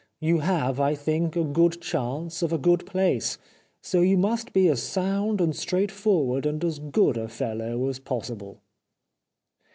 You have, I think, a good chance of a good place, so you must be as sound and straightforward and as good a fellow as possible."